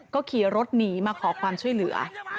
ก็ขี่รถหนีมาขอความช่วยเหลือ